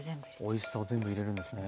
おいしさを全部入れるんですね。